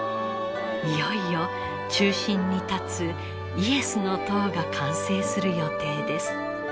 いよいよ中心に立つイエスの塔が完成する予定です。